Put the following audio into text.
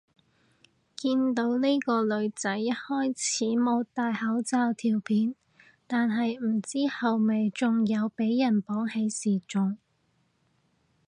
見到呢個女仔一開始冇戴口罩條片，但係唔知後尾仲有俾人綁起示眾